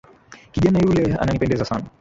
Kijana yule ananipendeza sana.